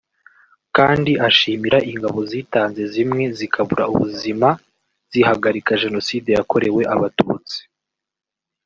kandi ashimira ingabo zitanze zimwe zikabura ubuzima zihagarika Jenoside yakorewe Abatutsi